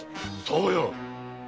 そうよ！